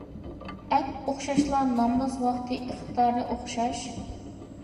ئەپ ئوخشاشلا ناماز ۋاقتى ئىقتىدارى ئوخشاش.